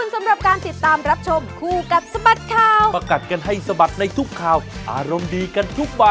สุดยอดเลยนะครับ